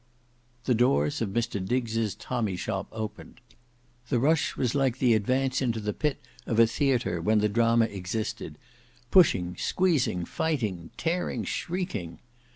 The doors of Mr Diggs' tommy shop opened. The rush was like the advance into the pit of a theatre when the drama existed; pushing, squeezing, fighting, tearing, shrieking.